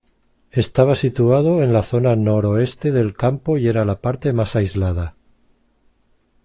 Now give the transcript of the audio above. Estaba situado en la zona noroeste del campo y era la parte más aislada.